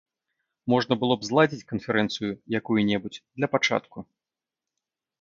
Можна было б зладзіць канферэнцыю якую-небудзь для пачатку.